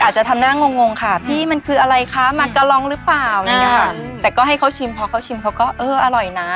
อาจจะทำหน้างงงค่ะพี่มันคืออะไรคะมักกะลองรึเปล่าแต่ก็ให้เขาชิมเพราะเขาชิมเขาก็เอออร่อยนะ